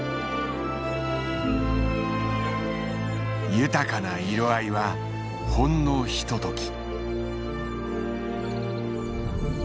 豊かな色合いはほんのひととき。